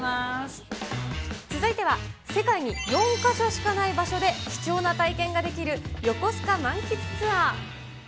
続いては、世界に４か所しかない場所で貴重な体験ができる、横須賀満喫ツアー。